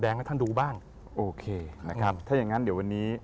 ได้จากท่านมาแล้ว